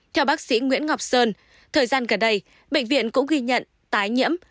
theo bác sĩ nguyễn ngọc sơn thời gian gần đây bệnh viện cũng ghi nhận tái nhiễm